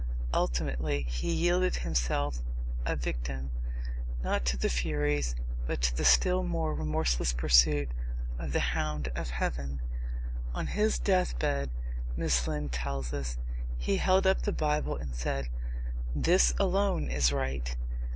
Ultimately he yielded himself a victim, not to the furies, but to the still more remorseless pursuit of the Hound of Heaven. On his death bed, Miss Lind tells us, he held up the Bible and said: "This alone is right."